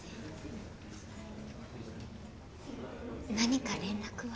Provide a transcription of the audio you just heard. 何か連絡は。